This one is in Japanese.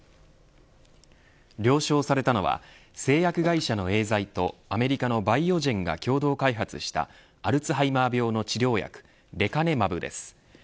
了承されたのは製薬会社のエーザイとアメリカのバイオジェンが共同開発したアルツハイマー病の治療薬レカネマブです。